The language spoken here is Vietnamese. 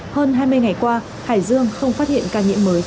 hơn hai mươi ngày qua hải dương không phát hiện ca nhiễm mới trong cộng đồng